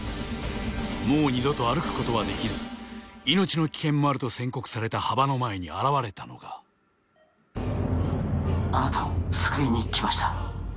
もう二度と歩くことはできず命の危険もあると宣告された羽場の前に現れたのがあなたを救いに来ました